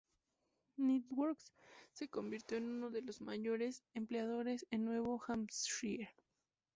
Networks, que se convirtió en uno de los mayores empleadores en Nuevo Hampshire.